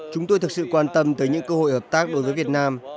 chúng tôi thực sự quan tâm tới những cơ hội hợp tác đối với việt nam